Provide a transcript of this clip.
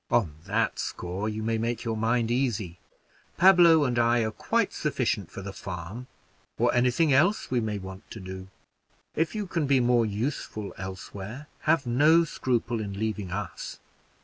"On that score you may make your mind easy: Pablo and I are quite sufficient for the farm, or any thing else we may want to do. If you can be more useful elsewhere, have no scruple in leaving us.